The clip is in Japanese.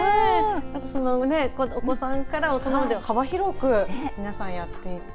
お子さんから大人まで幅広く、皆さんやっていて。